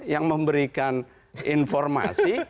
yang memberikan informasi